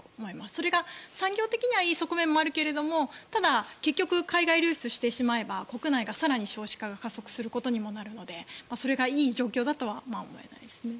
それが産業的にはいい側面もあるけれどもただ、結局海外流出してしまえば国内が更に少子化が進むことになるのでそれがいい状況だとは思えないですね。